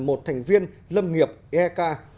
một thành viên lâm nghiệp ek